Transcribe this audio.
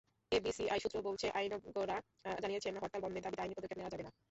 FBCCI সূত্র বলছে, আইনজ্ঞরা জানিয়েছেন, হরতাল বন্ধের দাবিতে আইনি পদক্ষেপ নেওয়া যাবে না।